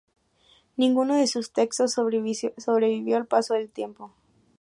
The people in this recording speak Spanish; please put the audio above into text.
Ninguno de sus textos sobrevivió al paso del tiempo.